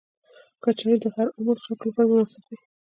کچالو د هر عمر خلکو لپاره مناسب دي